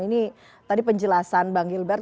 ini tadi penjelasan bang gilbert